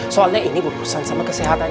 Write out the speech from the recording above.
soalnya ini urusan sama kesehatannya